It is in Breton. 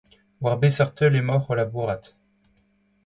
War beseurt teul emaocʼh o labourat ?